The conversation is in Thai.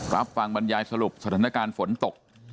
รับฟังบรรยายสรุปสถานการณ์ฝนตก